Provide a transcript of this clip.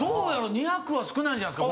２００は少ないんじゃないですか。